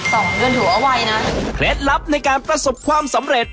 เงินหัวไวนะเคล็ดลับในการประสบความสำเร็จ